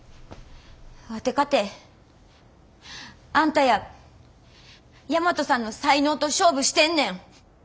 ワテかてあんたや大和さんの才能と勝負してんねん。